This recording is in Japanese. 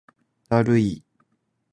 だるい